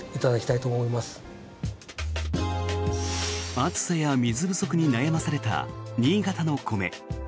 暑さや水不足に悩まされた新潟の米。